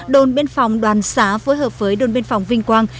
đồn biên phòng đoàn xá phối hợp với đồn biên phòng vinh quang